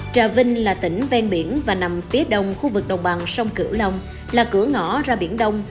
trà vinh là tỉnh ven biển và nằm phía đông khu vực đồng bằng sông cửu long là cửa ngõ ra biển đông